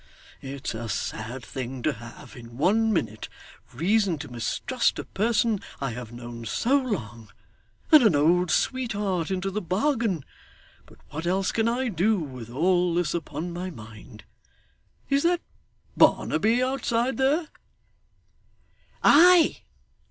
It's a sad thing to have, in one minute, reason to mistrust a person I have known so long, and an old sweetheart into the bargain; but what else can I do, with all this upon my mind! Is that Barnaby outside there?' 'Ay!